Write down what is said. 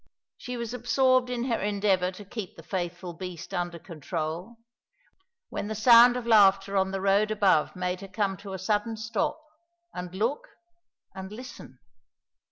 She was absorbed in her endeavour to keep the faithful beast under control, when the sound of laughter on the road above made her come to a sudden stop, and look, and listen.